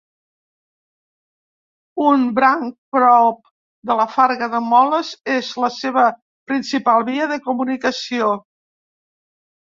Un branc prop de la Farga de Moles és la seva principal via de comunicació.